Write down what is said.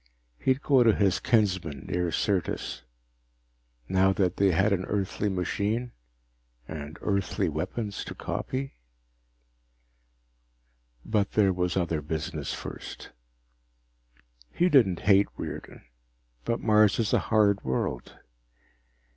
He'd go to his kinsmen near Syrtis. Now that they had an Earthly machine, and Earthly weapons to copy But there was other business first. He didn't hate Riordan, but Mars is a hard world.